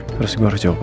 terus gua harus jawab apa